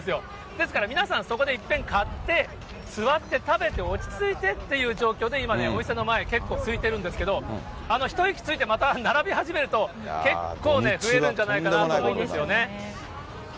ですから皆さん、そこでいっぺん買って、座って、食べて、落ち着いてっていう状況で、今ね、お店の前、結構すいてるんですけど、ひと息ついて、また並び始めると、結構ね、増えるんじゃないかなと思うんですよね。